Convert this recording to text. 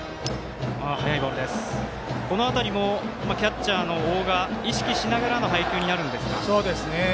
この辺りもキャッチャーの大賀意識しながらの配球になるんですか。